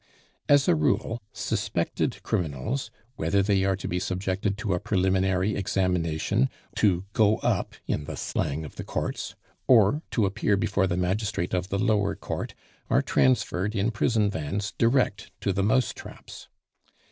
As a rule, suspected criminals, whether they are to be subjected to a preliminary examination to "go up," in the slang of the Courts or to appear before the magistrate of the lower Court, are transferred in prison vans direct to the "mousetraps."